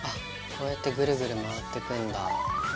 こうやってぐるぐる回ってくんだぁ。